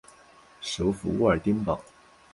首府沃尔丁堡。